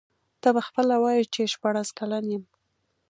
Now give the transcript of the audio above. ته به خپله وایې چي شپاړس کلن یم.